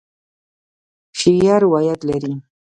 شیعه روایت لري.